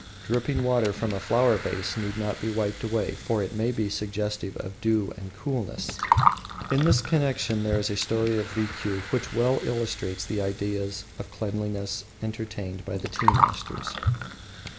Dripping water from a flower vase need not be wiped away, for it may be suggestive of dew and coolness. In this connection there is a story of Rikiu which well illustrates the ideas of cleanliness entertained by the tea masters.